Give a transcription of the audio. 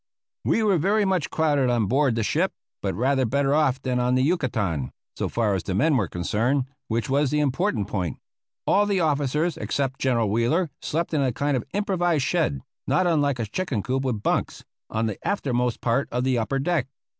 We were very much crowded on board the ship, but rather better off than on the Yucatan, so far as the men were concerned, which was the important point. All the officers except General Wheeler slept in a kind of improvised shed, not unlike a chicken coop with bunks, on the aftermost part of the upper deck.